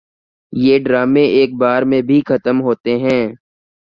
یہ ڈرامے ایک بار میں بھی ختم ہوتے ہیں